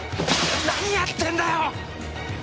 何やってんだよ！？